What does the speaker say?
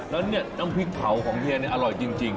แล้วเนี่ยน้ำพริกเผาของเฮียนี่อร่อยจริง